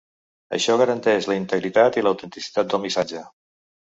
Això garanteix la integritat i l’autenticitat del missatge.